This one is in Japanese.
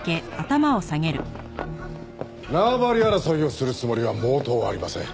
縄張り争いをするつもりは毛頭ありません。